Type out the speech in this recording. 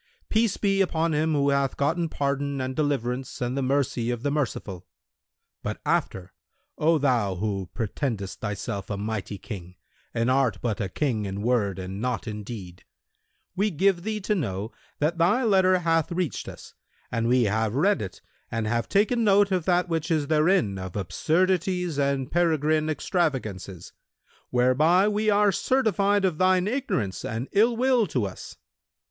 Peace be upon him who hath gotten pardon and deliverance and the mercy of the Merciful! But after, O thou who pretendest thyself a mighty King and art but a King in word and not in deed, we give thee to know that thy letter hath reached us and we have read it and have taken note of that which is therein of absurdities and peregrine extravagances, whereby we are certified of thine ignorance and ill will to us.